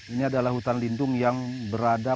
ini adalah hutan lindung yang berada